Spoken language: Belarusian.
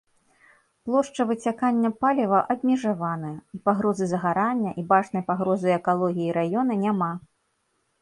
Плошча выцякання паліва абмежаваная, і пагрозы загарання і бачнай пагрозы экалогіі раёна няма.